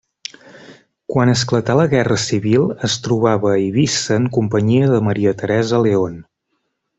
Quan esclatà la guerra civil es trobava a Eivissa en companyia de Maria Teresa León.